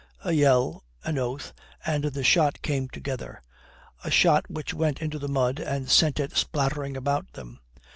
A yell, an oath, and the shot came together a shot which went into the mud and sent it spattering about them.